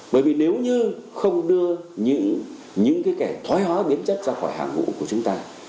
bởi vì nếu như không đưa những kẻ thoái hóa biến chất ra khỏi hạng ngũ của chúng ta